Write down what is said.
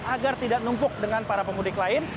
agar tidak numpuk dengan para pemudik lain